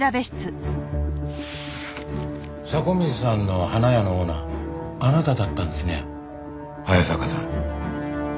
迫水さんの花屋のオーナーあなただったんですね早坂さん。